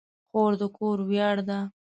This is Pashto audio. خور د کور ویاړ ده.